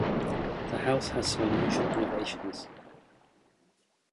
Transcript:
The house has some unusual innovations.